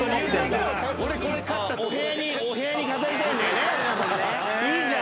お部屋に飾りたいんだよね。